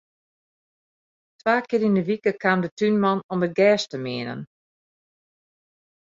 Twa kear yn 'e wike kaam de túnman om it gjers te meanen.